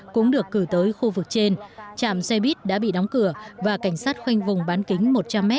cũng được cử tới khu vực trên trạm xe buýt đã bị đóng cửa và cảnh sát khoanh vùng bán kính một trăm linh m